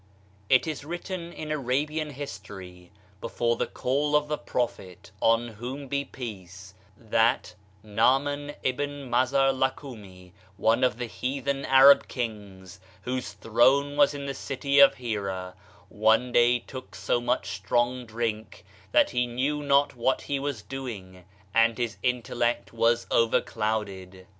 It is written in Arabian history, before the call of the Prophet (on whom be peace 1) , that , Naaman Ibn Mazar Lakomi, one of the heathen Arab kings, whose thronewas in the city of Hera, one day took so much strong drink that he knew not what he was doing and his intellect was over clouded.